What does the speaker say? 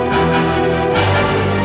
ndra kamu udah nangis